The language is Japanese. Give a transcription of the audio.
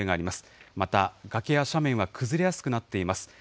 また、崖や斜面は崩れやすくなっています。